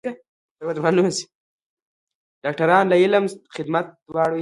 ډاکټران د علم او خدمت دواړو استازي دي.